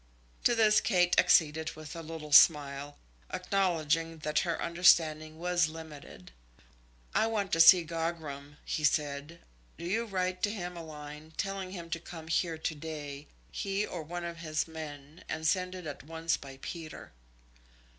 To this Kate acceded with a little smile, acknowledging that her understanding was limited. "I want to see Gogram," he said. "Do you write to him a line, telling him to come here to day, he or one of his men, and send it at once by Peter."